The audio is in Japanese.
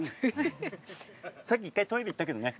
さっき１回トイレ行ったけどね。